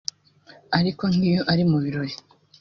Ariko nk’iyo ari mu birori